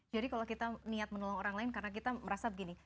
jadi kalau kita niat menolong orang lain karena kita merasa begini